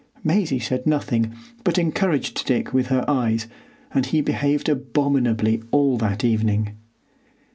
Maisie said nothing, but encouraged Dick with her eyes, and he behaved abominably all that evening.